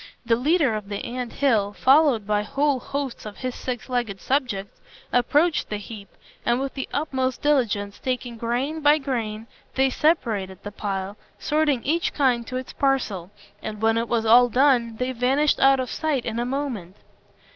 The leader of the ant hill, followed by whole hosts of his six legged subjects, approached the heap, and with the utmost diligence, taking grain by grain, they separated the pile, sorting each kind to its parcel; and when it was all done, they vanished out of sight in a moment.